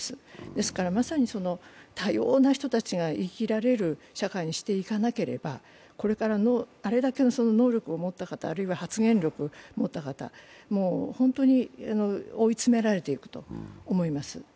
ですからまさに多様な人たちが生きられる社会にしていかなければこれからの、あれだけの能力を持った方、あるいは発言力を持った方は本当に追い詰められていくと思います。